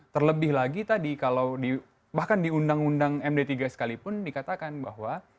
terlebih lagi tadi kalau bahkan di undang undang mdt sekalipun dikatakan bahwa